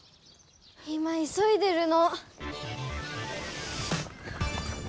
今いそいでるの！